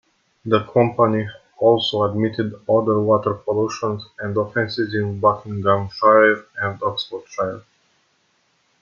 The company also admitted other water pollution and offences in Buckinghamshire and Oxfordshire.